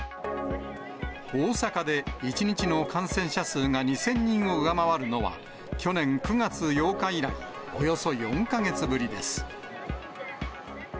大阪で１日の感染者数が２０００人を上回るのは、去年９月８日以来、およそ４か月ぶりです。